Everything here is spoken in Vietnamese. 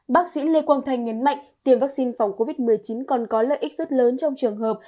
bác sĩ lê quang thanh nhấn mạnh tiêm vaccine phòng covid một mươi chín còn có lợi ích rất lớn trong trường hợp